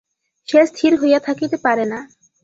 সে স্থির হইয়া থাকিতে পারে না।